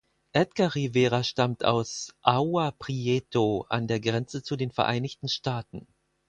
Edgar Rivera stammt aus Agua Prieto an der Grenze zu den Vereinigten Staaten.